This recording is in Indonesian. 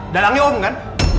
dalamnya om kan